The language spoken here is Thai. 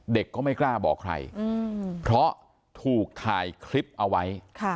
ก็ไม่กล้าบอกใครเพราะถูกถ่ายคลิปเอาไว้